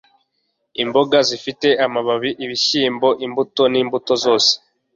imboga zifite amababi, ibishyimbo, imbuto n'imbuto zose.